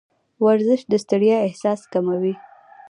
ورزش د ستړیا احساس کموي.